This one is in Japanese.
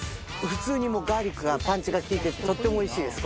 普通にガーリックがパンチが効いててとってもおいしいです。